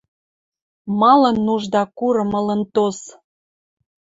Малын нужда курым ылын тоз...